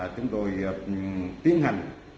chúng tôi tiến hành